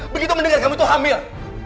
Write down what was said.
begitu mendengar kamu itu hamil